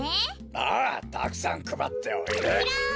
ああたくさんくばっておいで。